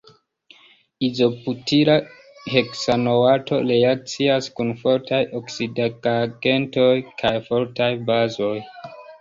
Izobutila heksanoato reakcias kun fortaj oksidigagentoj kaj fortaj bazoj.